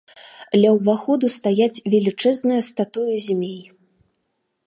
Ля ўваходу стаяць велічэзныя статуі змей.